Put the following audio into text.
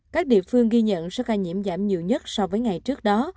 các địa phương ghi nhận số ca nhiễm giảm nhiều nhất so với ngày trước đó